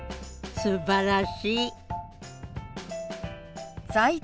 すばらしい！